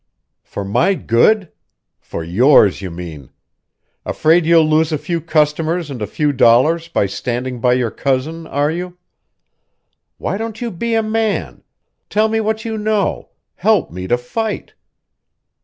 "For my good? For yours, you mean! Afraid you'll lose a few customers and a few dollars, by standing by your cousin, are you? Why don't you be a man, tell me what you know, help me to fight!